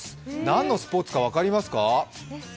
何のスポーツだか分かりますか？